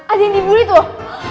ada yang di bully tuh